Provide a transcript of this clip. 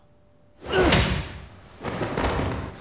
うっ！